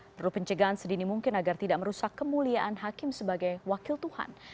perlu pencegahan sedini mungkin agar tidak merusak kemuliaan hakim sebagai wakil tuhan